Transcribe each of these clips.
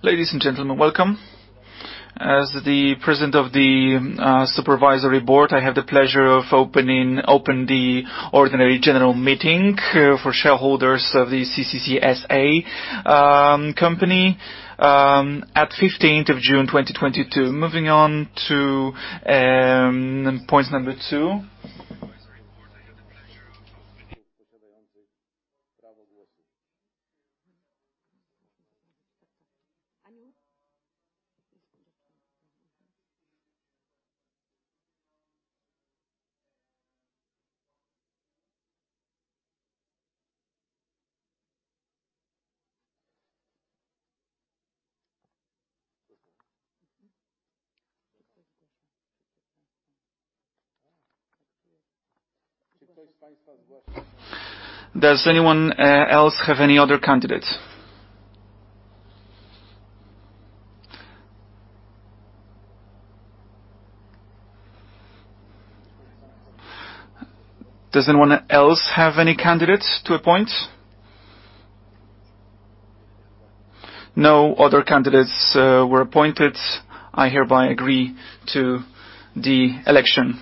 Ladies and gentlemen, welcome. As the president of the supervisory board, I have the pleasure of opening the ordinary general meeting for shareholders of the CCC S.A. company on June 15th, 2022. Moving on to point number two. Does anyone else have any other candidates? Does anyone else have any candidates to appoint? No other candidates were appointed. I hereby agree to the election.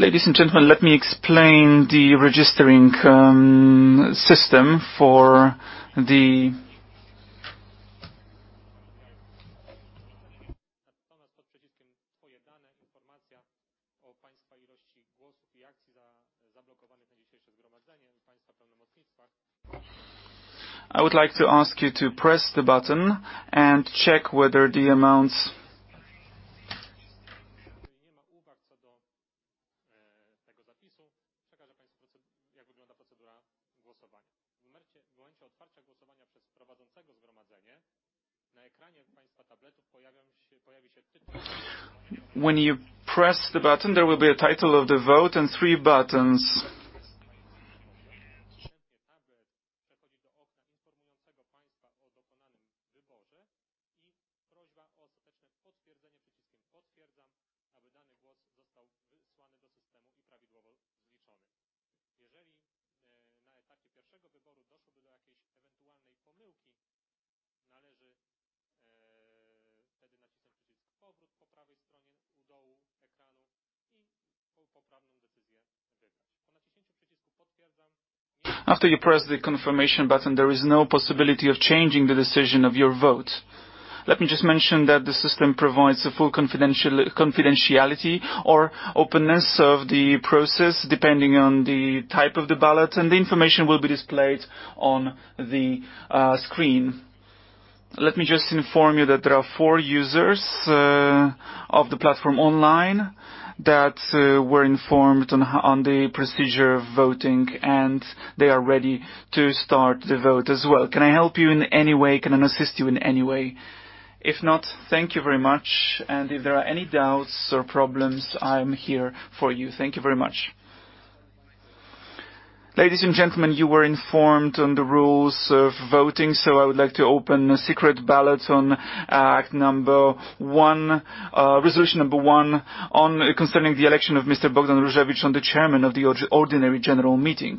Ladies and gentlemen, let me explain the registration system. I would like to ask you to press the button and check the amounts. When you press the button, there will be a title of the vote and three buttons. After you press the confirmation button, there is no possibility of changing the decision of your vote. Let me just mention that the system provides full confidentiality or openness of the process, depending on the type of ballot, and the information will be displayed on the screen. Let me just inform you that there are four users of the platform online who were informed of the procedure of voting, and they are ready to start the vote as well. Can I help you in any way? Can I assist you in any way? If not, thank you very much. If there are any doubts or problems, I am here for you. Thank you very much. Ladies and gentlemen, you were informed on the rules of voting, so I would like to open a secret ballot on number one, resolution number one concerning the election of Mr. Bogdan Różewicz as the chairman of the ordinary general meeting.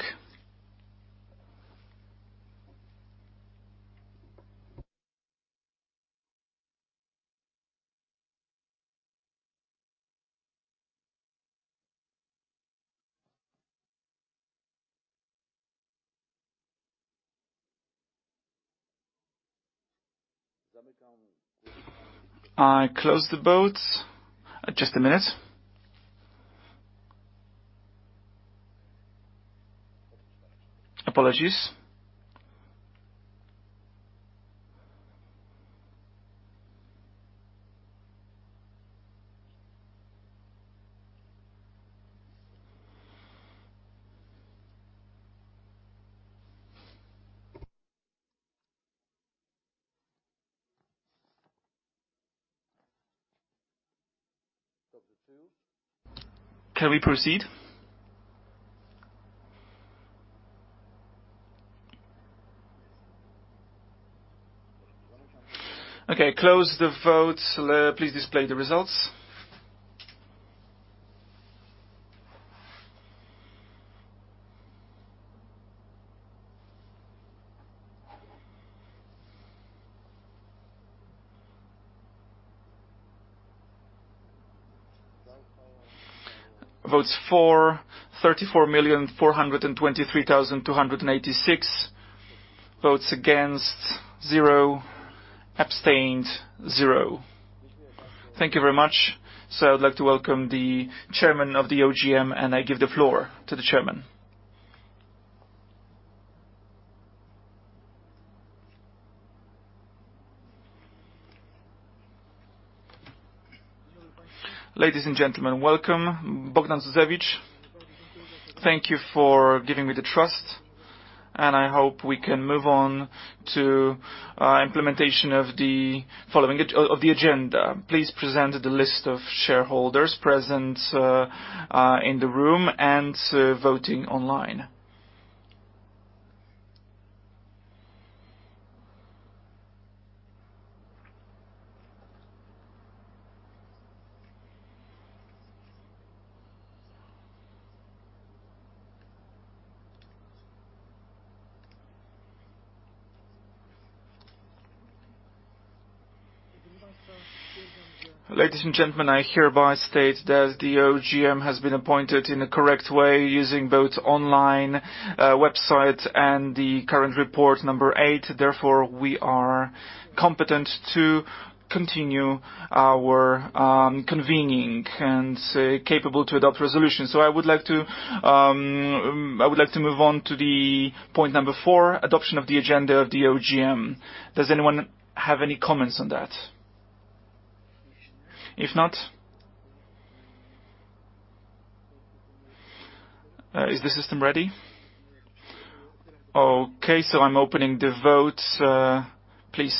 I close the vote. Just a minute. Apologies. Can we proceed? Okay, close the vote. Please display the results. Votes for 34,423,286. Votes against zero. Abstained zero. Thank you very much. I'd like to welcome the chairman of the OGM, and I give the floor to the chairman. Ladies and gentlemen, welcome. Bogdan Różewicz. Thank you for giving me the trust, and I hope we can move on to the implementation of the agenda. Please present the list of shareholders present in the room and voting online. Ladies and gentlemen, I hereby state that the OGM has been appointed in a correct way using both the online website and the current report number eight. Therefore, we are competent to continue our convening and capable to adopt resolution. I would like to move on to point number four, the adoption of the agenda of the OGM. Does anyone have any comments on that? If not, is the system ready? Okay. I'm opening the vote. Please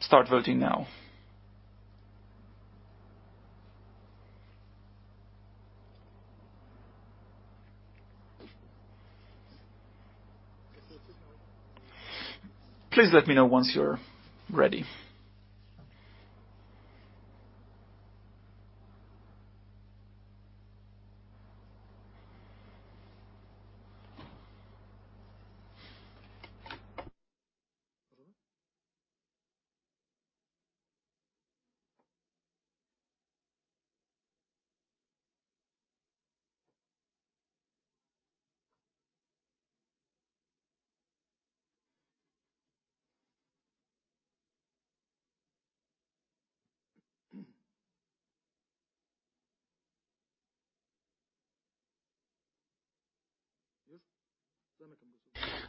start voting now. Please let me know once you're ready.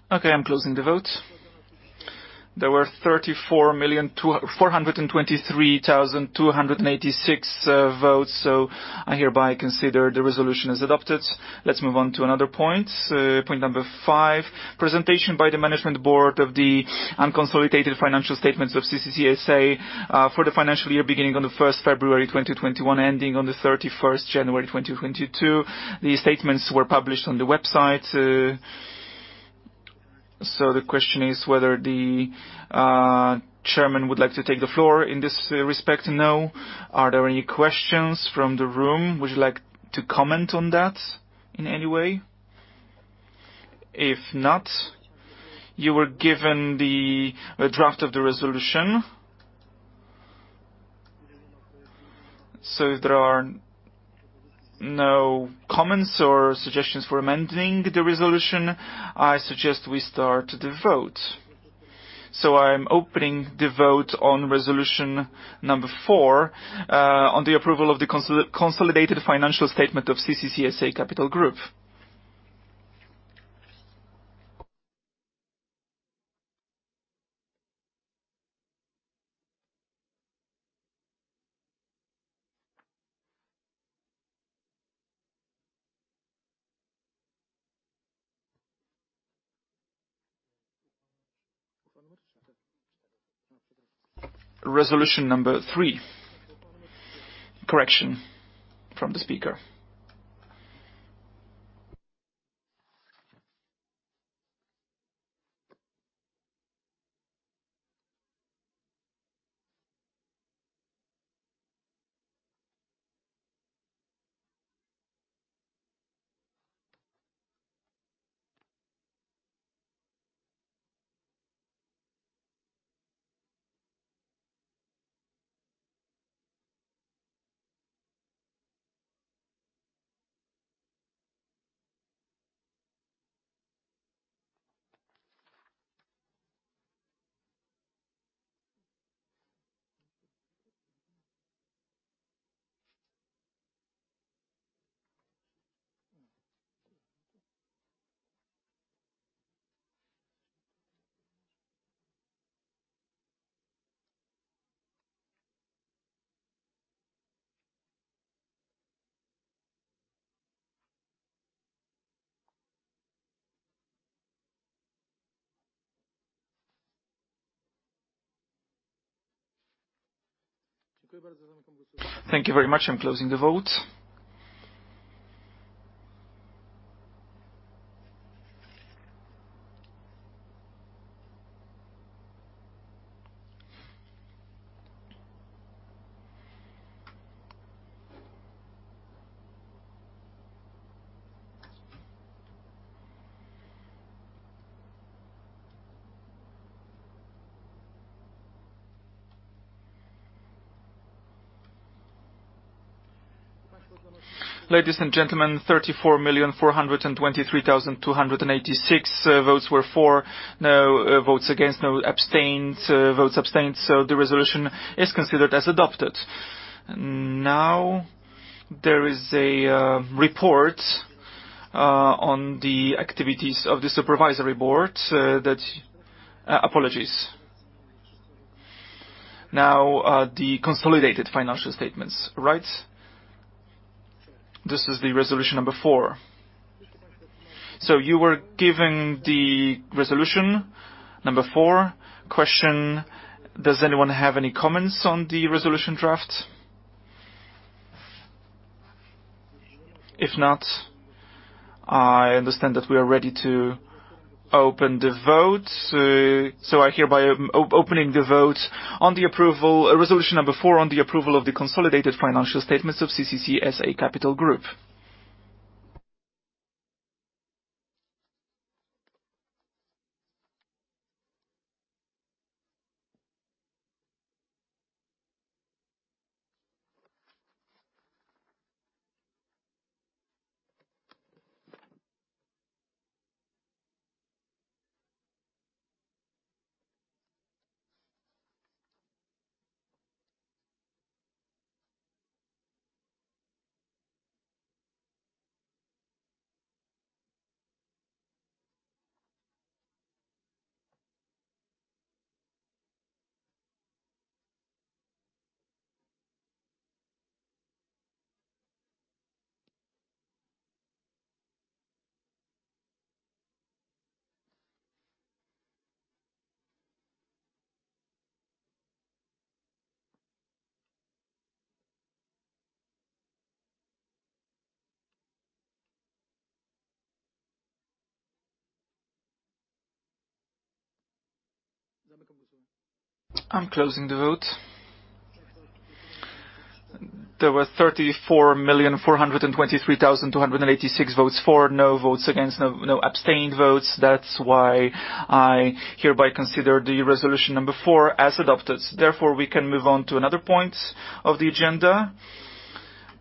Okay, I'm closing the vote. There were 34,423,286 votes, so I hereby consider the resolution as adopted. Let's move on to another point. Point number five, presentation by the management board of the unconsolidated financial statements of CCC S.A. for the financial year beginning on February 1st, 2021, ending on January 31st, 2022. The statements were published on the website. The question is whether the chairman would like to take the floor in this respect. No. Are there any questions from the room? Would you like to comment on that in any way? If not, you were given the draft of the resolution. If there are no comments or suggestions for amending the resolution, I suggest we start the vote. I'm opening the vote on resolution number four on the approval of the consolidated financial statement of CCC S.A. Capital Group. Resolution number three. Correction from the speaker. Thank you very much. I'm closing the vote. Ladies and gentlemen, 34,423,286 votes were for, no votes against, no votes abstained, so the resolution is considered adopted. Now, the consolidated financial statements, right? This is resolution number four. You were given the resolution number four. Question: Does anyone have any comments on the resolution draft? If not, I understand that we are ready to open the vote. I am hereby opening the vote on the approval of resolution number four on the approval of the consolidated financial statements of CCC S.A. Capital Group. I'm closing the vote. There were 34,423,286 votes for, no votes against, and abstained votes. That's why I hereby consider the resolution number four as adopted. Therefore, we can move on to another point on the agenda.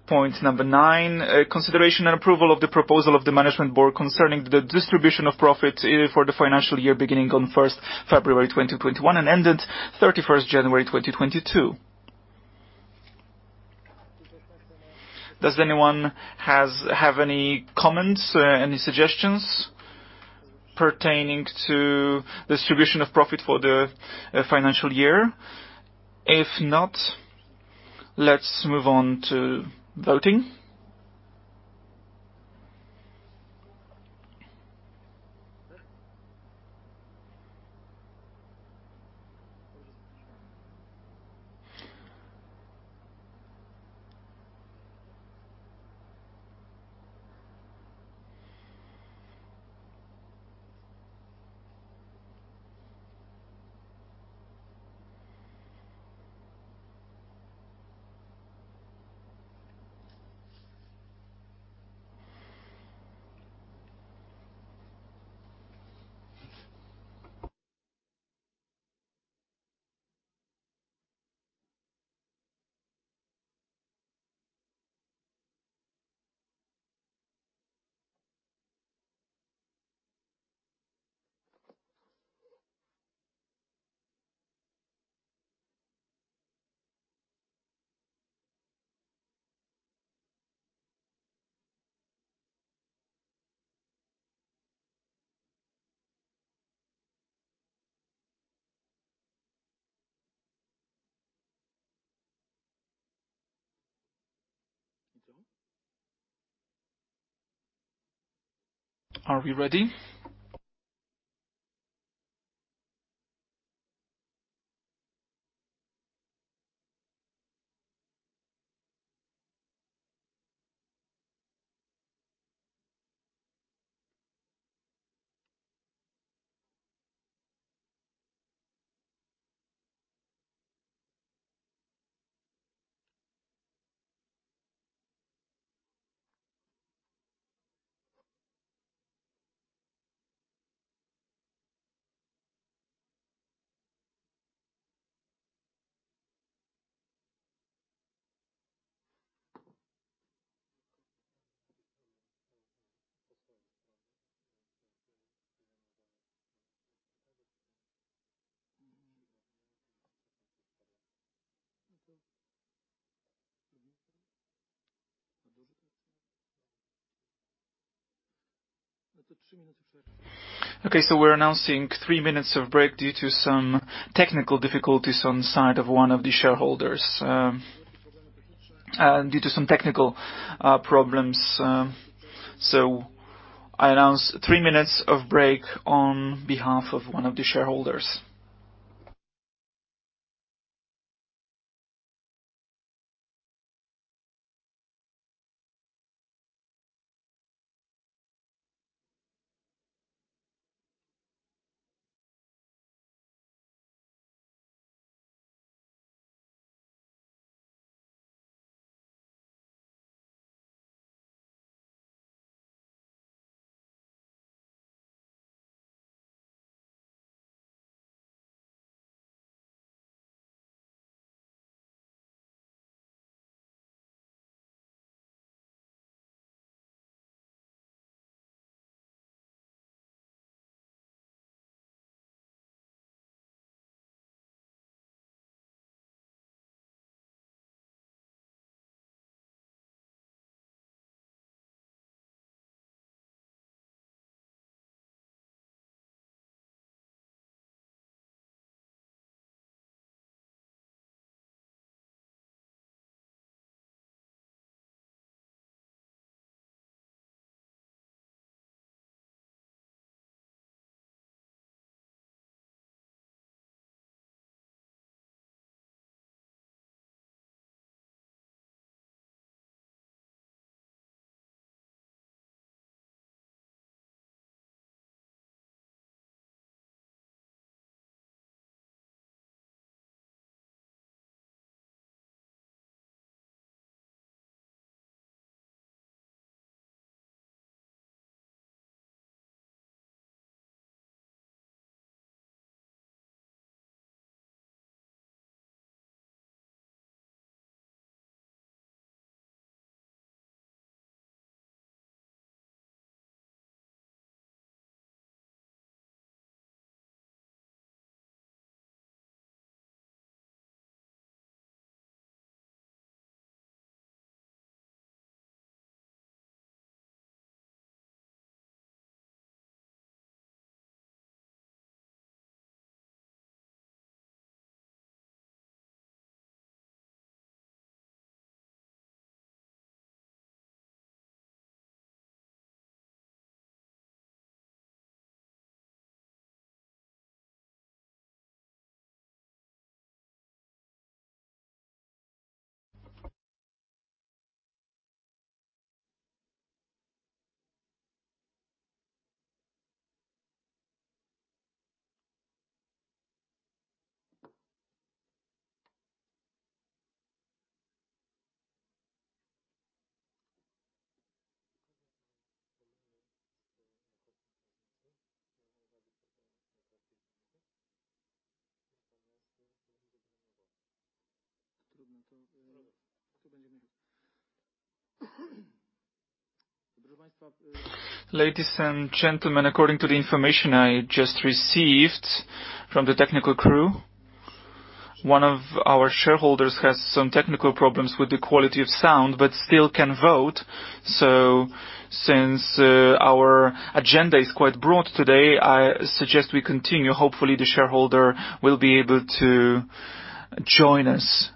Point number nine, consideration and approval of the proposal of the management board concerning the distribution of profit for the financial year beginning on February 1st, 2021, and ending January 31st, 2022. Does anyone have any comments or suggestions pertaining to the distribution of profit for the financial year? If not, let's move on to voting. Are we ready? Okay, we're announcing a three-minute break due to some technical difficulties on the side of one of the shareholders. I announce a three-minute break on behalf of one of the shareholders. Ladies and gentlemen, according to the information I just received from the technical crew, one of our shareholders has some technical problems with the quality of sound, but still can vote. Since our agenda is quite broad today, I suggest we continue. Hopefully, the shareholder will be able to join us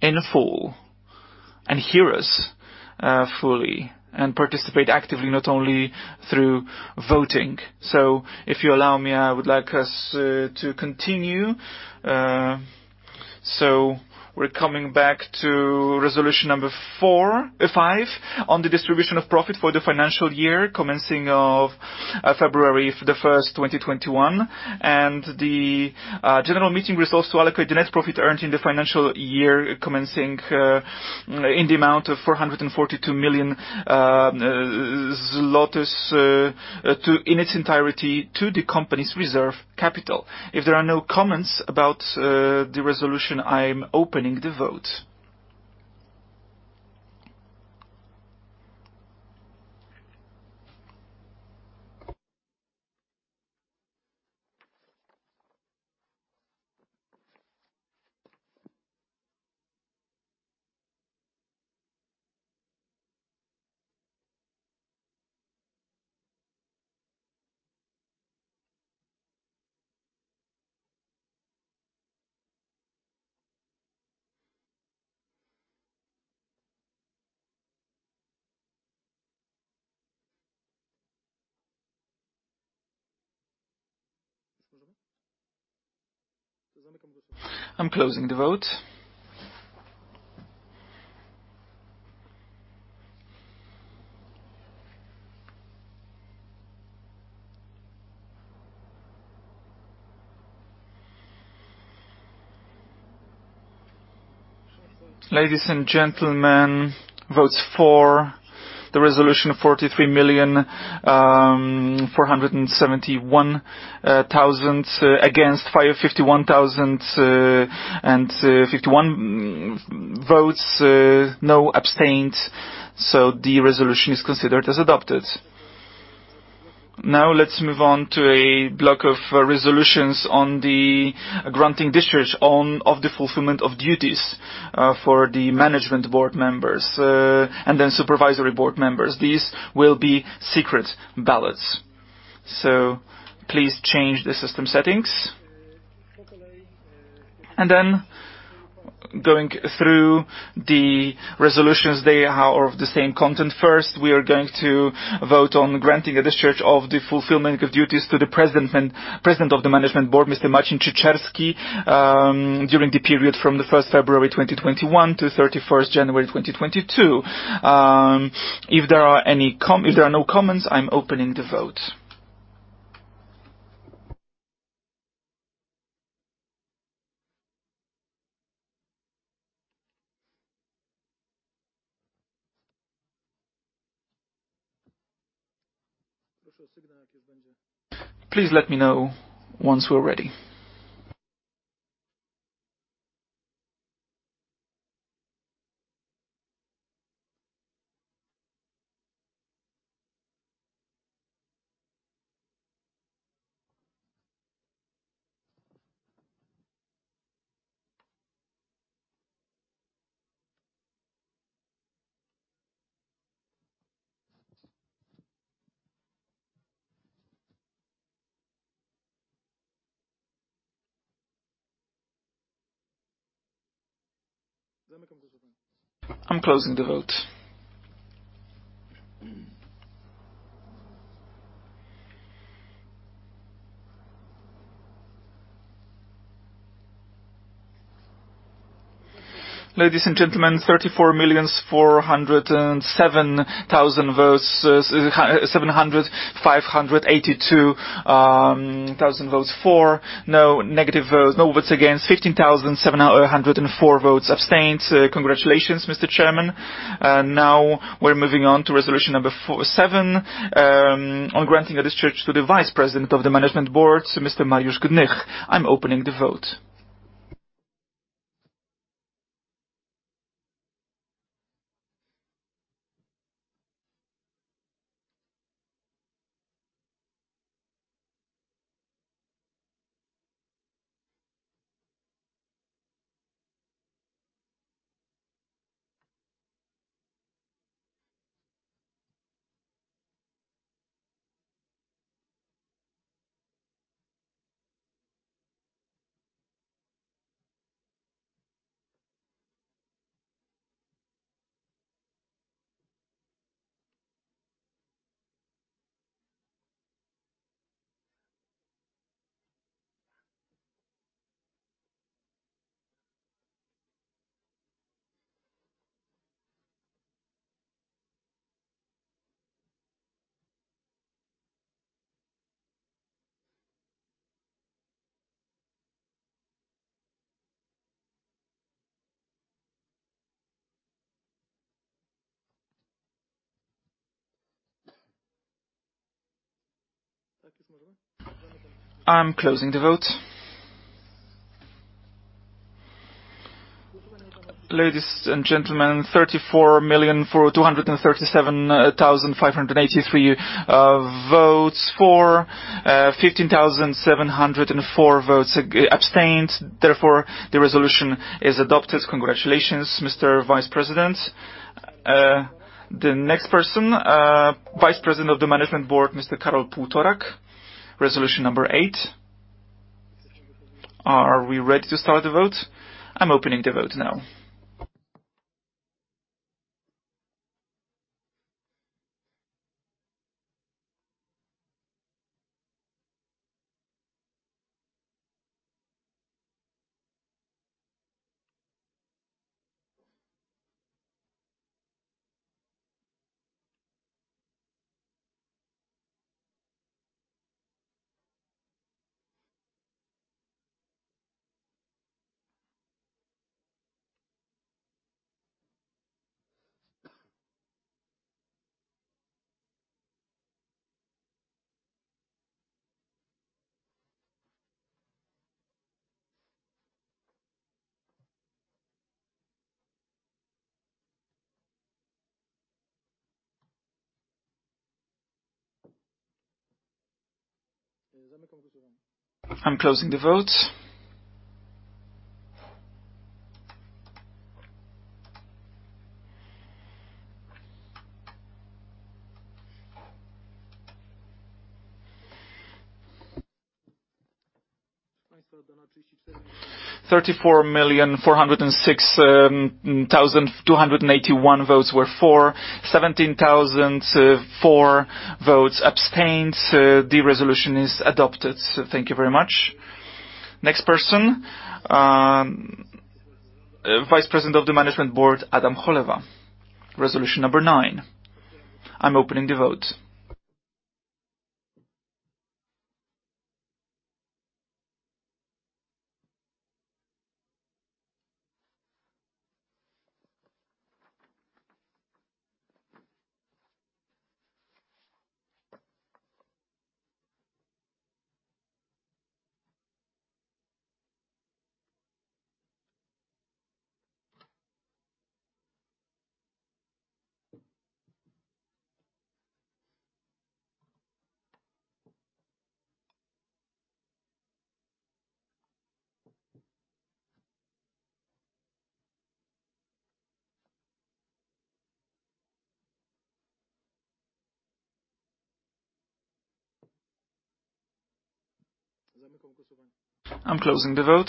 in full, hear us fully, and participate actively, not only through voting. If you allow me, I would like us to continue. We're coming back to resolution number five on the distribution of profit for the financial year commencing on February 1st, 2021. The general meeting resolves to allocate the net profit earned in the financial year commencing in the amount of 442 million zlotys in its entirety to the company's reserve capital. If there are no comments about the resolution, I'm opening the vote. I'm closing the vote. Ladies and gentlemen, votes for the resolution, 43,471,000, against 551,000, and 51 votes, no abstentions. The resolution is considered as adopted. Now, let's move on to a block of resolutions on granting discharge for the fulfillment of duties for the management board members and then the supervisory board members. These will be secret ballots. Please change the system settings. Going through the resolutions, they are of the same content. First, we are going to vote on granting a discharge for the fulfillment of duties to the President of the Management Board, Mr. Marcin Czyczerski, during the period from February 1st, 2021, to January 31st, 2022. If there are no comments, I'm opening the vote. Please let me know once we're ready. I'm closing the vote. Ladies and gentlemen, 34,407,752 votes for. No negative votes. No votes against. 15,704 votes abstained. Congratulations, Mr. Chairman. Now we're moving on to resolution number forty-seven on granting a discharge to the Vice President of the Management Board, Mr. Mariusz Gnych. I'm opening the vote. I'm closing the vote. Ladies and gentlemen, 34,427,583 votes for, 15,704 votes abstained. Therefore, the resolution is adopted. Congratulations, Mr. Vice President. The next person, Vice President of the Management Board, Mr. Karol Półtorak, resolution number eight. Are we ready to start the vote? I'm opening the vote now. I'm closing the vote. 34,406,281 votes were for, 17,004 votes abstained, the resolution is adopted. Thank you very much. Next person, Vice President of the Management Board, Adam Cholewa. Resolution number 9. I'm opening the vote. I'm closing the vote.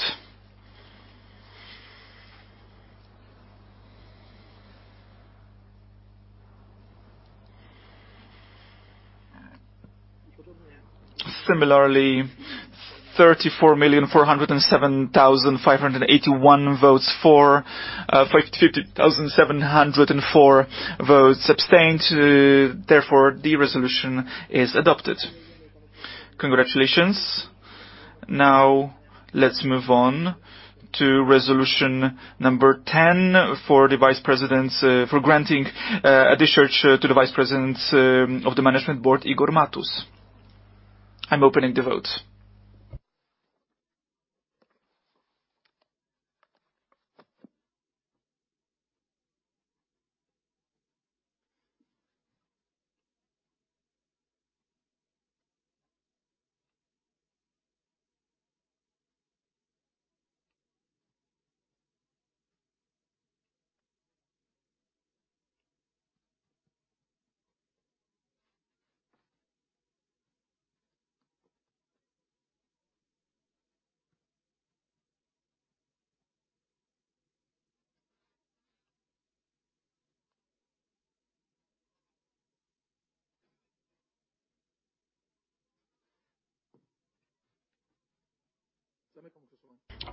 Similarly, 34,407,581 votes for, 15,704 votes abstained. Therefore, the resolution is adopted. Congratulations. Now, let's move on to resolution number 10 for granting a discharge to the Vice President of the Management Board, Igor Matus. I'm opening the vote.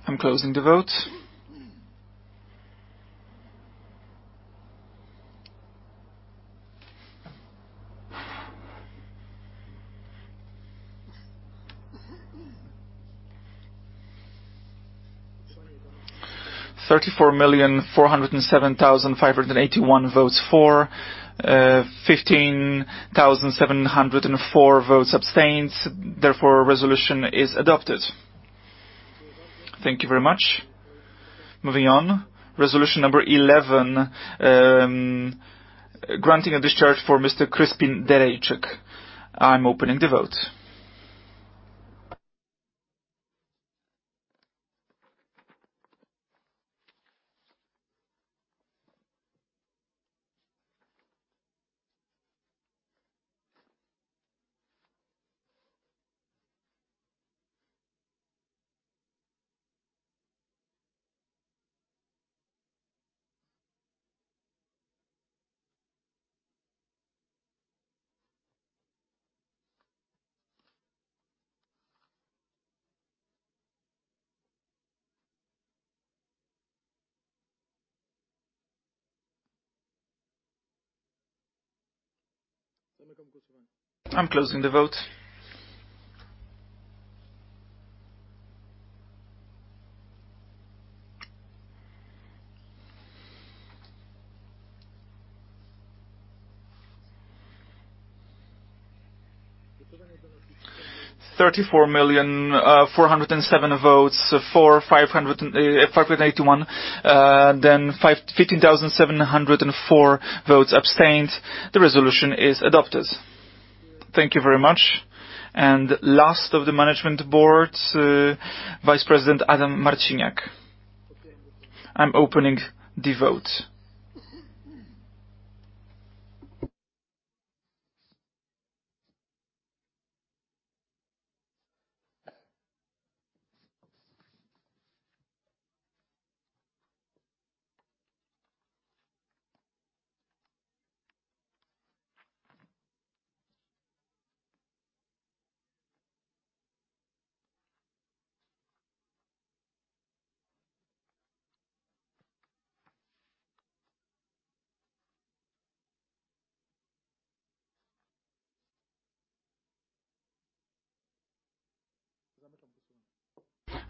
I'm closing the vote. 34,407,581 votes for, 15,704 abstained. Therefore, a resolution is adopted. Thank you very much. Moving on. Resolution number 11, granting a discharge for Mr. Kryspin Derejczyk. I'm opening the vote. I'm closing the vote. 34 million 407 votes for 505.81. Then 15,704 votes abstained. The resolution is adopted. Thank you very much. Last of the management board, Vice President Adam Marciniak. I'm opening the vote.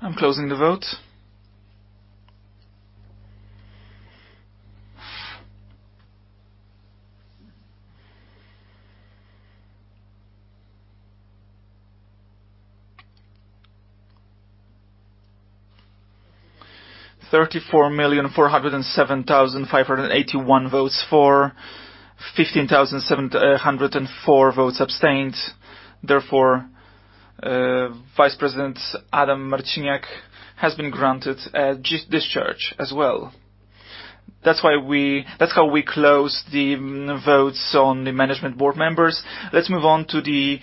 I'm closing the vote. 34,407,581 votes for, 15,704 votes abstained. Therefore, Vice President Adam Marciniak has been granted a discharge as well. That's why we. That's how we close the votes on the management board members. Let's move on to the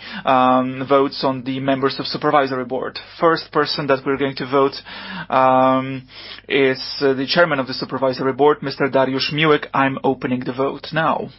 votes on the members of the supervisory board. The first person that we're going to vote for is the Chairman of the Supervisory Board, Mr. Dariusz Miłek. I'm opening the vote now.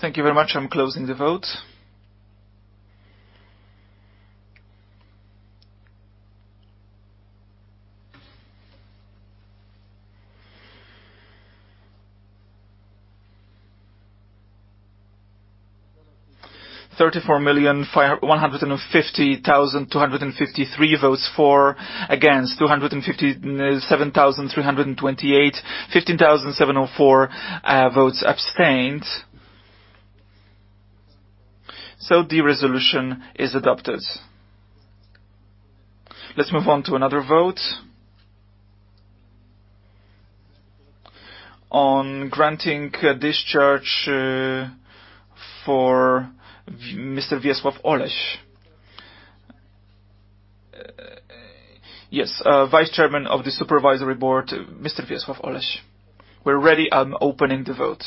Thank you very much. I'm closing the vote. 34,150,253 votes for, against 257,328. 15,704 votes abstained. The resolution is adopted. Let's move on to another vote. On granting discharge for Mr. Wiesław Oleś. Yes, Vice Chairman of the Supervisory Board, Mr. Wiesław Oleś. We're ready. I'm opening the vote.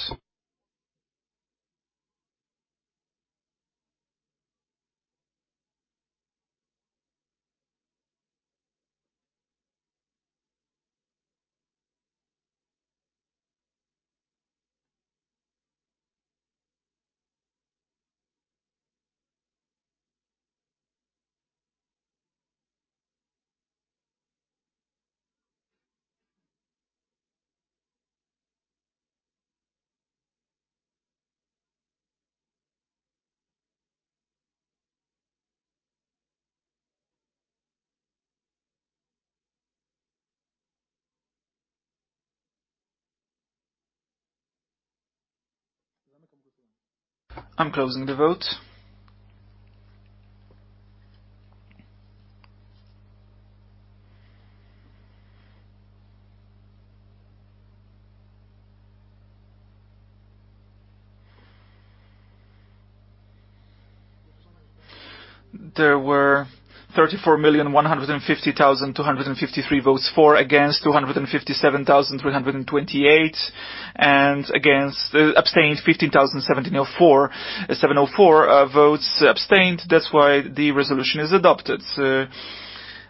I'm closing the vote. There were 34,150,253 votes for, against 257,328, and 15,704 votes abstained. That's why the resolution is adopted.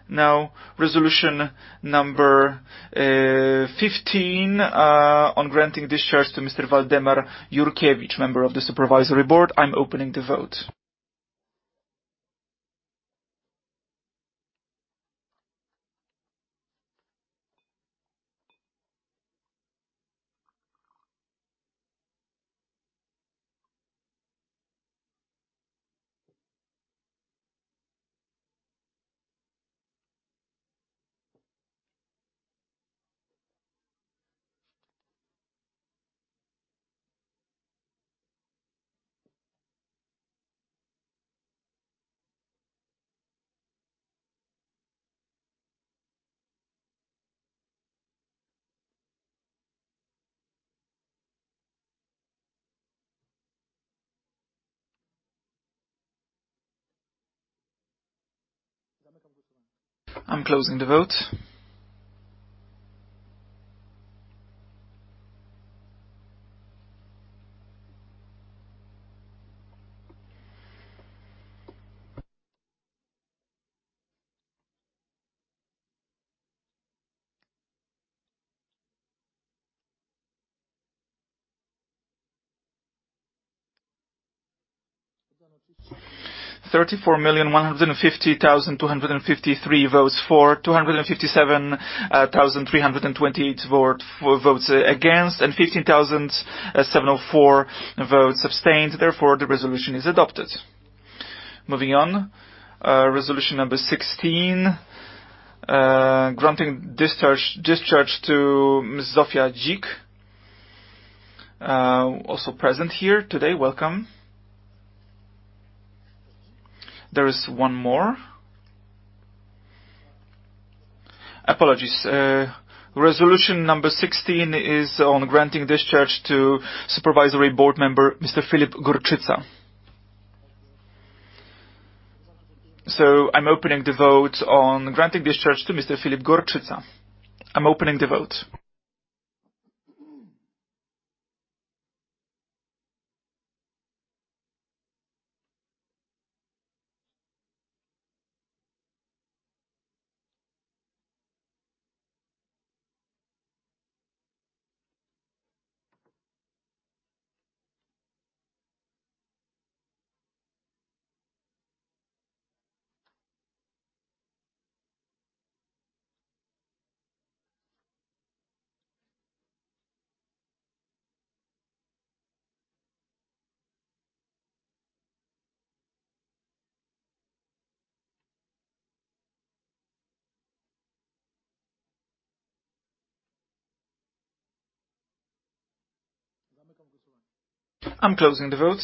Now, resolution number 15 on granting discharge to Mr. Waldemar Jurkiewicz, member of the supervisory board. I'm opening the vote. I'm closing the vote. 34,150,253 votes for, 257,320 votes against, and 15,704 votes abstained. Therefore, the resolution is adopted. Moving on, resolution number sixteen. Granting discharge to Ms. Zofia Dzik, also present here today. Welcome. There is one more. Apologies. Resolution number 16 is on granting discharge to Supervisory Board Member Mr. Filip Gorczyca. I'm opening the vote on granting discharge to Mr. Filip Gorczyca. I'm opening the vote. I'm closing the vote.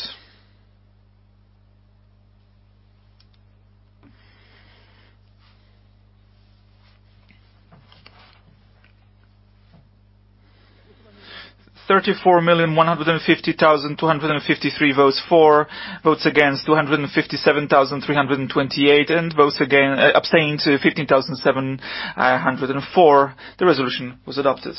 34,150,253 votes for. Votes against 257,328, and votes abstained 15,704. The resolution was adopted.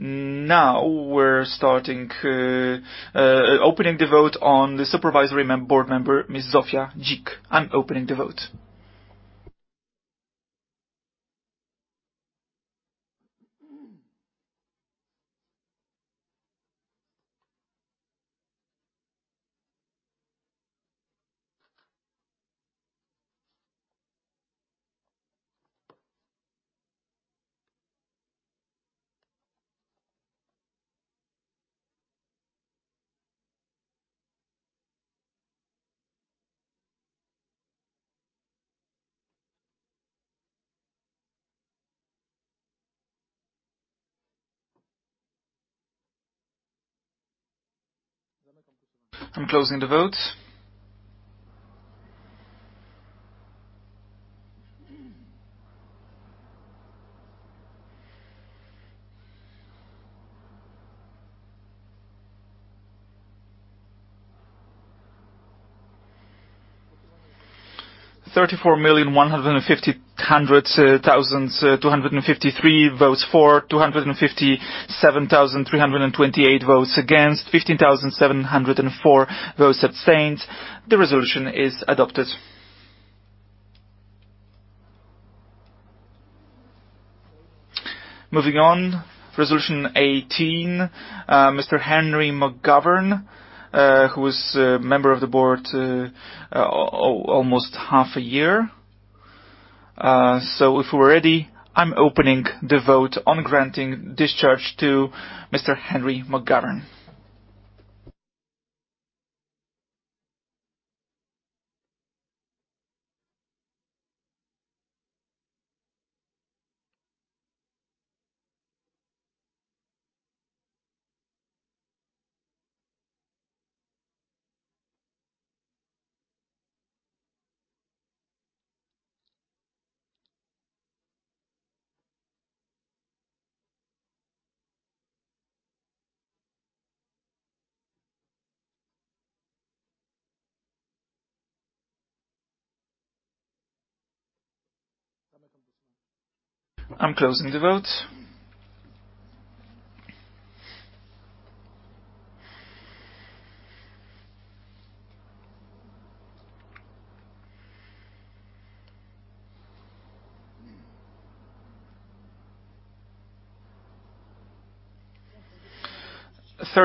We're starting to open the vote on the supervisory board member, Ms. Zofia Dzik. I'm opening the vote. I'm closing the vote. 34,150,253 votes for, 257,328 votes against, 15,704 votes abstained. The resolution is adopted. Moving on, resolution eighteen. Mr. Henry McGovern, who was a member of the board, almost half a year. So, if we're ready, I'm opening the vote on granting discharge to Mr. Henry McGovern. I'm closing the vote.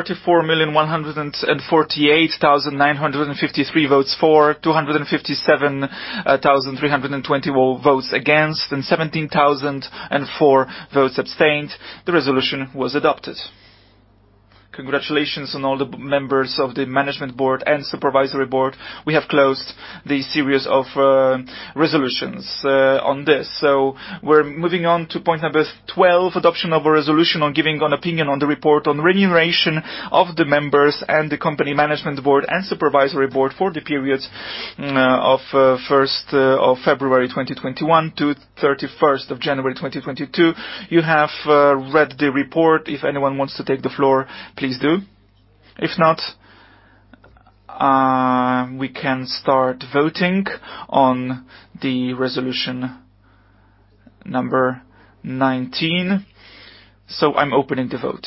34,148,953 votes for, 257,320 votes against, and 17,004 votes abstained. The resolution was adopted. Congratulations to all the members of the management board and supervisory board. We have closed the series of resolutions on this. We're moving on to point number 12, adoption of a resolution on giving an opinion on the report on remuneration of the members and the company management board and supervisory board for the periods of February 1st, 2021, to January 31st, 2022. You have read the report. If anyone wants to take the floor, please do. If not, we can start voting on resolution number 19. I'm opening the vote.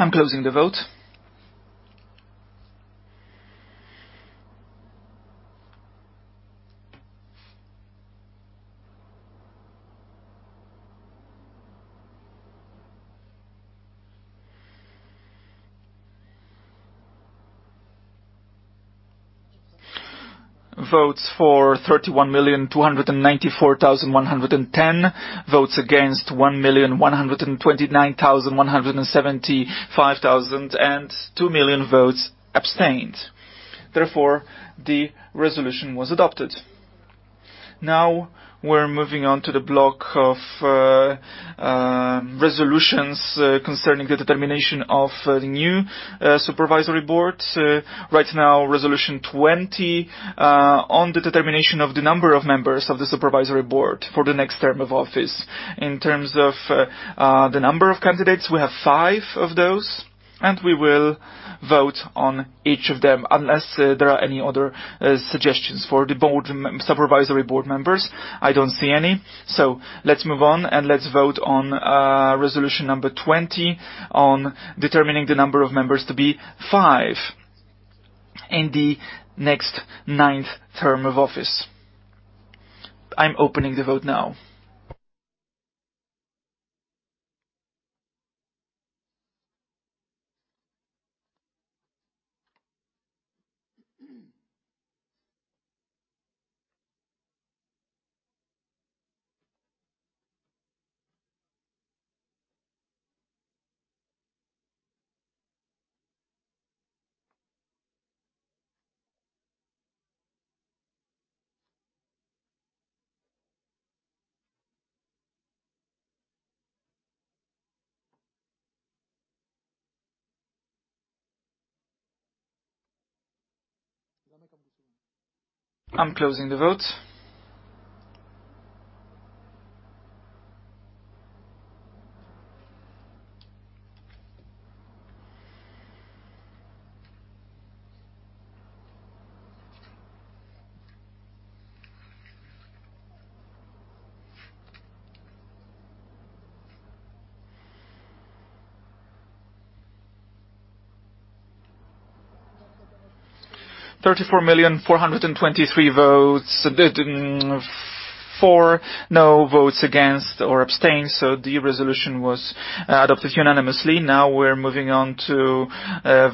I'm closing the vote. Votes for 31,294,110. Votes against 1,129,175, and 2,000,000 votes were abstained. Therefore, the resolution was adopted. Now we're moving on to the block of resolutions concerning the determination of the new supervisory board. Right now, resolution 20 is on the determination of the number of members of the supervisory board for the next term of office. In terms of the number of candidates, we have five of those, and we will vote on each of them unless there are any other suggestions for supervisory board members. I don't see any. Let's move on, and let's vote on resolution number 20 on determining the number of members to be five in the next ninth term of office. I'm opening the vote now. I'm closing the vote. 34,000,423 votes for, no votes against, or abstained. The resolution was adopted unanimously. Now we're moving on to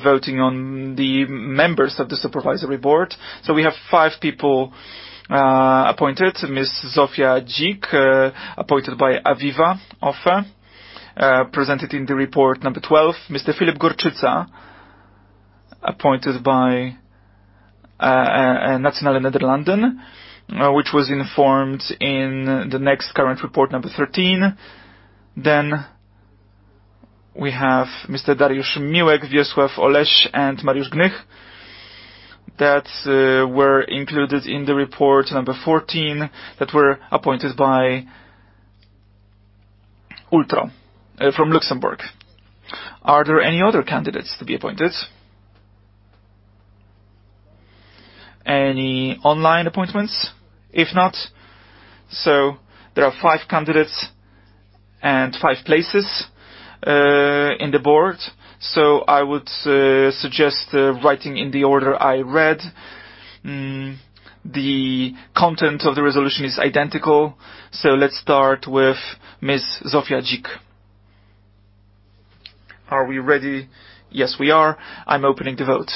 voting on the members of the supervisory board. We have five people appointed. Ms. Zofia Dzik appointed by Aviva, presented in the report number 12. Mr. Filip Gorczyca was appointed by Nationale-Nederlanden, which was informed in the next current report number 13. Then we have Mr. Dariusz Miłek, Wiesław Oleś, and Mariusz Gnych, who were included in the report number 14, who were appointed by Ultro from Luxembourg. Are there any other candidates to be appointed? Any online appointments? If not, there are five candidates and five places on the board. I would suggest writing in the order I read. The content of the resolution is identical, so let's start with Ms. Zofia Dzik. Are we ready? Yes, we are. I'm opening the vote.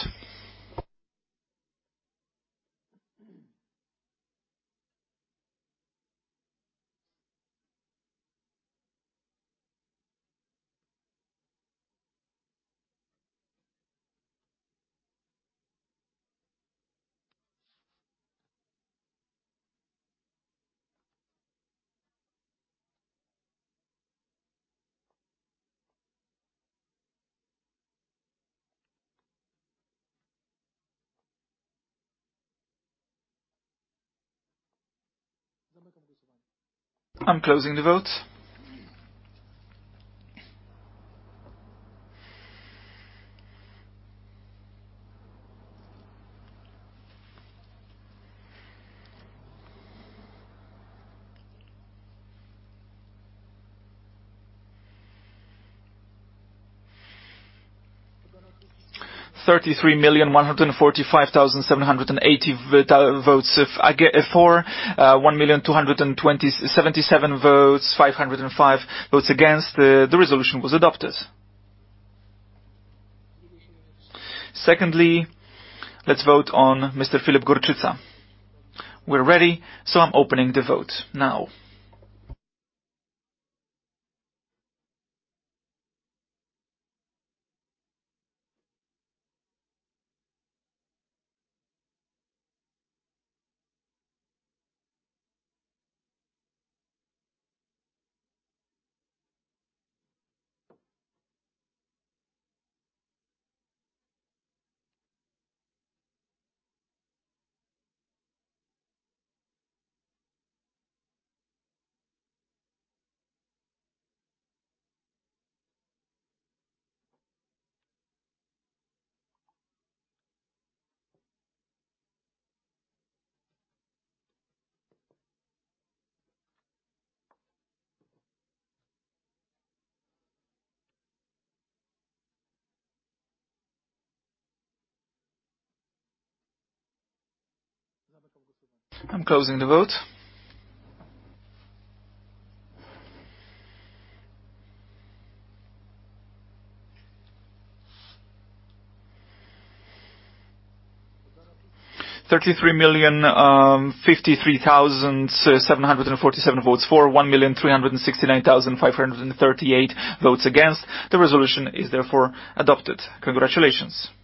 I'm closing the vote. 33,145,780 votes for, 1,227,505 votes against. The resolution was adopted. Secondly, let's vote on Mr. Filip Gorczyca. We're ready. I'm opening the vote now. I'm closing the vote. 33,053,747 votes for, 1,369,538 votes against. The resolution is therefore adopted. Congratulations. The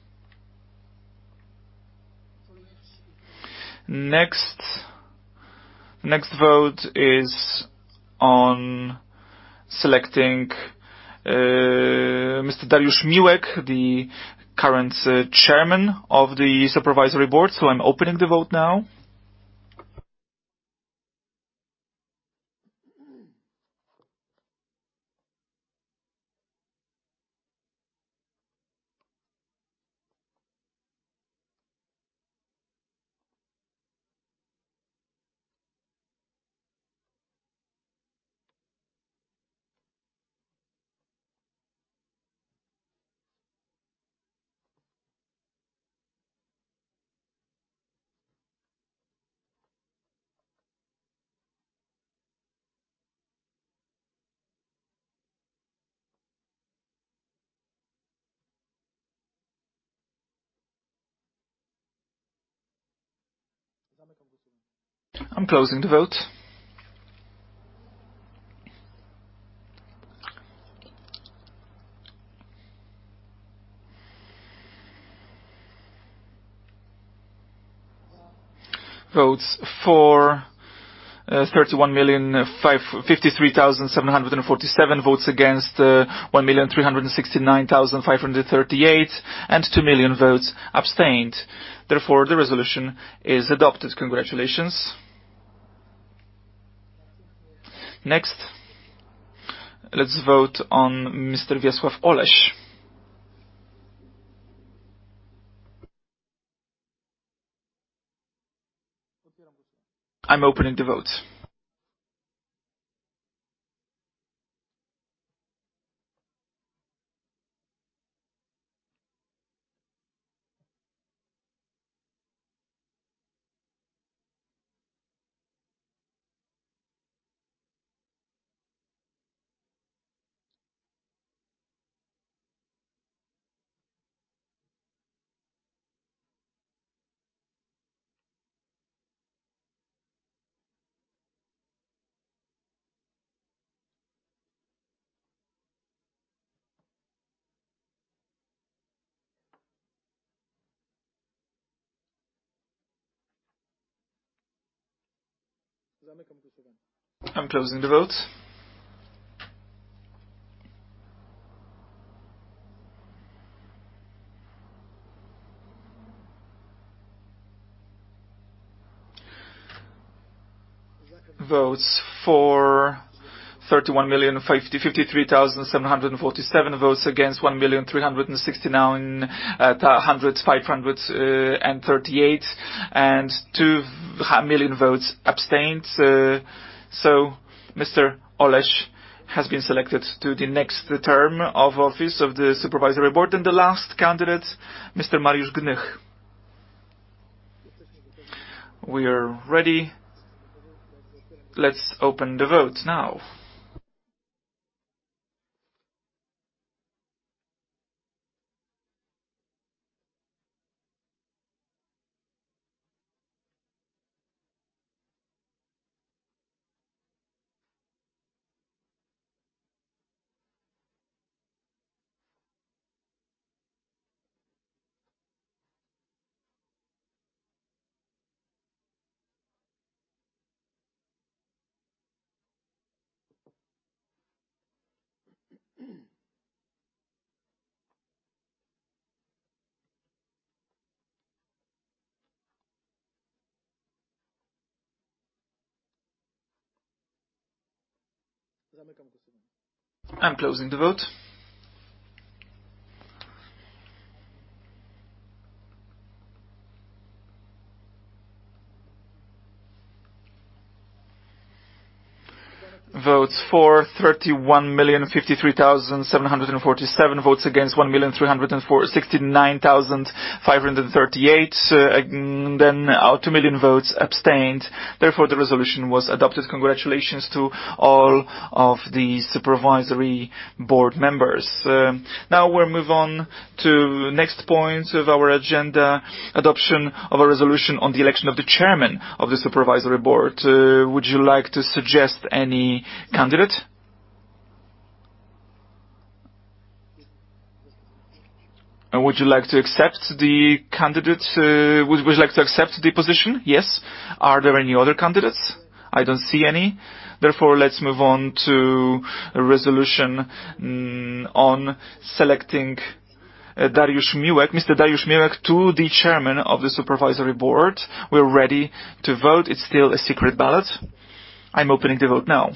next vote is on selecting Mr. Dariusz Miłek, the current chairman of the supervisory board. I'm opening the vote now. I'm closing the vote. Votes for 31,053,747, votes against 1,369,538, and 2 million votes abstained. Therefore, the resolution is adopted. Congratulations. Next, let's vote on Mr. Wiesław Oleś. I'm opening the vote. I'm closing the vote. Votes for 31,053,747. Votes against 1,369,538, and 2,000,000 votes were abstained. Mr. Oleś has been selected for the next term of office of the supervisory board. The last candidate, Mr. Mariusz Gnych. We are ready. Let's open the vote now. I'm closing the vote. Votes for 31,053,747. Votes against 1,369,538. 2,000,000 votes were abstained. Therefore, the resolution was adopted. Congratulations to all of the supervisory board members. Now we'll move on to the next point on our agenda, adoption of a resolution on the election of the chairman of the supervisory board. Would you like to suggest any candidate? Would you like to accept the candidate? Would you like to accept the position? Yes. Are there any other candidates? I don't see any. Therefore, let's move on to a resolution on selecting Dariusz Miłek. Mr. Dariusz Miłek is the chairman of the supervisory board. We're ready to vote. It's still a secret ballot. I'm opening the vote now.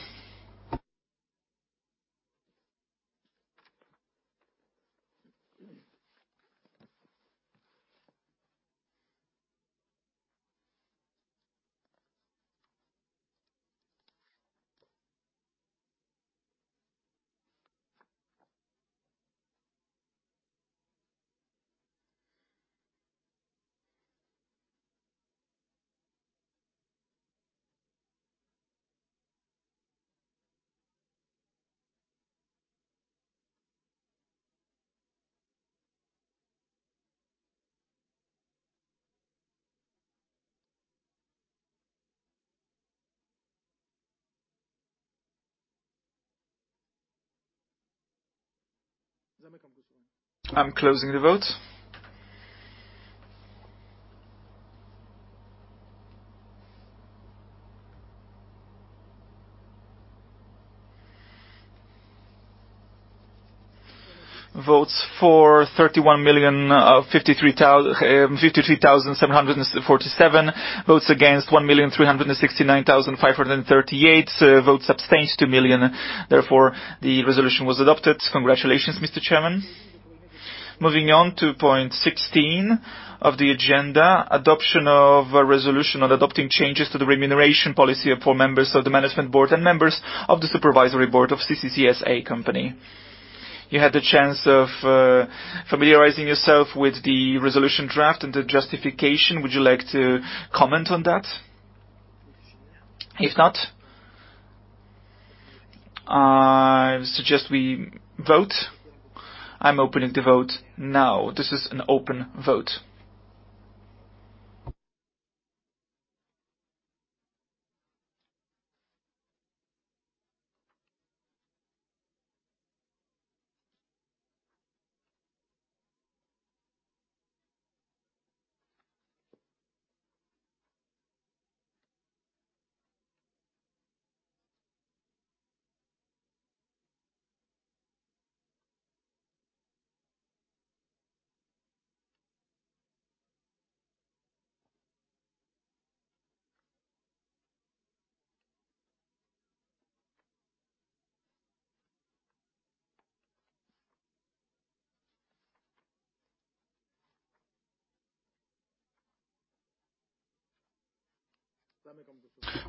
I'm closing the vote. Votes for 31,053,747. Votes against 1,369,538. Votes abstained, 2,000,000. Therefore, the resolution was adopted. Congratulations, Mr. Chairman. Moving on to point 16 of the agenda, adoption of a resolution on adopting changes to the remuneration policy for members of the management board and members of the supervisory board of CCC S.A. company. You had the chance of familiarizing yourself with the resolution draft and the justification. Would you like to comment on that? If not, I suggest we vote. I'm opening the vote now. This is an open vote.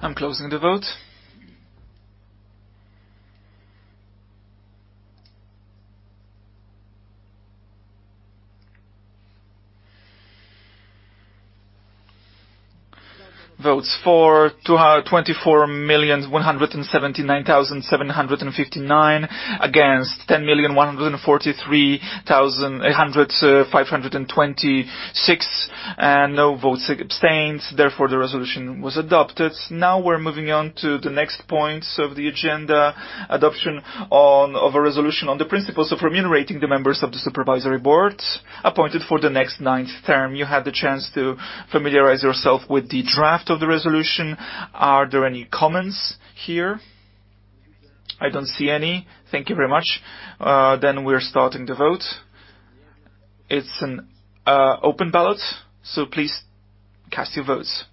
I'm closing the vote. Votes for 224,179,759, against 10,143,856, and no votes were abstained. Therefore, the resolution was adopted. Now we're moving on to the next points on the agenda. Adoption of a resolution on the principles of remunerating the members of the supervisory board appointed for the next ninth term. You had the chance to familiarize yourself with the draft of the resolution. Are there any comments here? I don't see any. Thank you very much. We're starting the vote. It's an open ballot, so please cast your votes.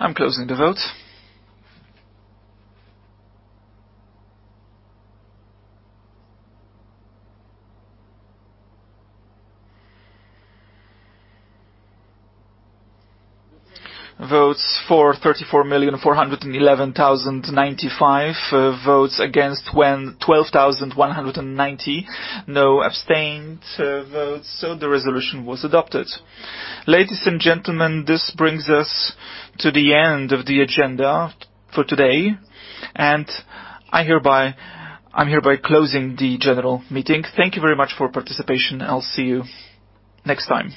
I'm closing the vote. Votes for 34,411,095, votes against 12,190. No abstained votes, so the resolution was adopted. Ladies and gentlemen, this brings us to the end of the agenda for today, and I'm hereby closing the general meeting. Thank you very much for your participation. I'll see you next time.